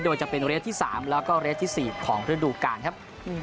โดยจะเป็นเรสที่๓แล้วก็เรสที่๔ของฤดูกาลครับ